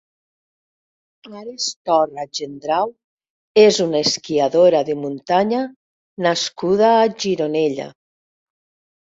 Ares Torra Gendrau és una esquiadora de muntanya nascuda a Gironella.